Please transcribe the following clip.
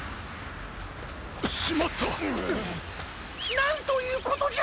なんということじゃ！